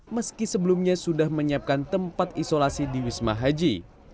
meski sebelumnya sudah menyiapkan tempat isolasi di wisma haji